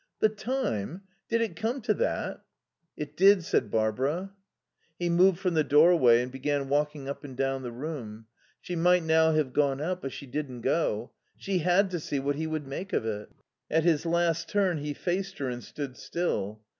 "The time.... Did it come to that?" "It did," said Barbara. He moved from the doorway and began walking up and down the room. She might now have gone out, but she didn't go. She had to see what he would make of it. At his last turn he faced her and stood still.